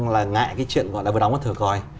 là ngại cái chuyện gọi là vừa đóng bắt thửa coi